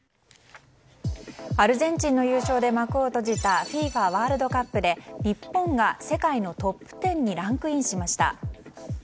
アルゼンチンの優勝で幕を閉じたＦＩＦＡワールドカップで日本が世界のトップ１０にランクインしました。